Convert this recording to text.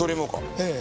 ええ。